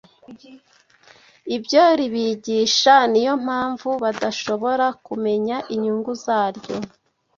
ibyo ribigisha, ni yo mpamvu badashobora kumenya inyungu zaryo